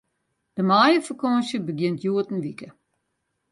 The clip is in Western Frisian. De maaiefakânsje begjint hjoed in wike.